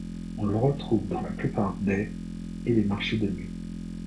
On le retrouve dans la plupart des et les marchés de nuit.